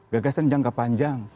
gagasan jangka panjang